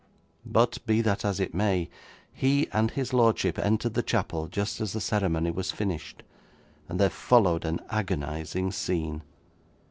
But, be that as it may, he and his lordship entered the chapel just as the ceremony was finished, and there followed an agonising scene.